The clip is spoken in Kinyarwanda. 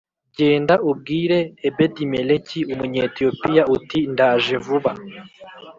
Genda ubwire Ebedimeleki Umunyetiyopiya uti ndaje vuba